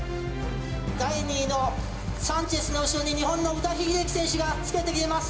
第２位のサンチェスの後ろに、日本の宇田秀生選手がつけて見えます。